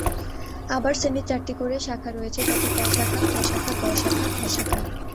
আবার শ্রেণির চারটি করে শাখা রয়েছে যথা ‘ক’ শাখা, ‘খ’ শাখা, ‘গ’ শাখা, ‘ঘ’ শাখা।